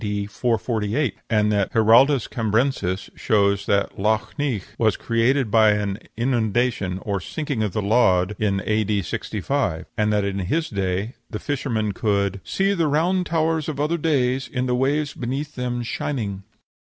D. 448; and Giraldus Cambrensis shows that Lough Neagh was created by an inundation, or sinking of the land, in A.D. 65, and that in his day the fishermen could "See the round towers of other days In the waves beneath them shining."